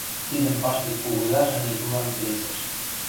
Тидӹн паштек кугузажы Митюлан келесӹш: